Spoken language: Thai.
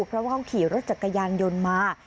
เพราะว่าเขาขี่รถจักรยานยนต์มา